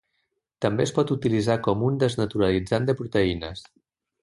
També es pot utilitzar com un desnaturalitzant de proteïnes.